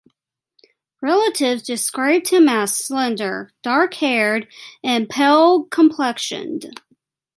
Relatives described him as slender, dark-haired, and pale-complexioned.